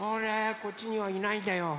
こっちにはいないんだよ。